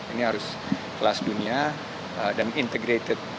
ini harus kelas dunia dan integrated